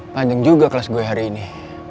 panjang juga kelas gue hari ini